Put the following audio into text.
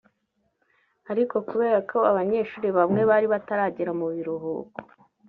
Ariko kubera ko abanyeshuri bamwe bari bataragera mu biruhuko